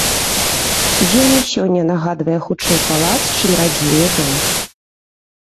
Ён і сёння нагадвае хутчэй палац, чым радзільны дом.